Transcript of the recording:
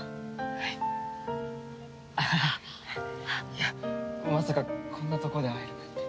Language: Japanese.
いやまさかこんな所で会えるなんて。